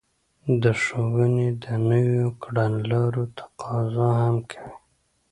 د ښوونې د نويو کړنلارو تقاضا هم کوي.